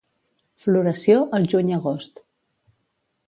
Floració al juny-agost.